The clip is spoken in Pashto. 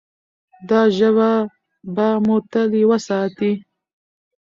دا ژبه به مو تل یوه ساتي.